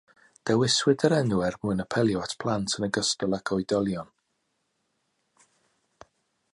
Dewiswyd yr enw er mwyn apelio at blant yn ogystal ag oedolion.